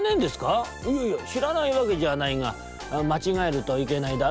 「いやいやしらないわけじゃないがまちがえるといけないだろ。